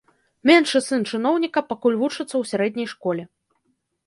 Меншы сын чыноўніка пакуль вучыцца ў сярэдняй школе.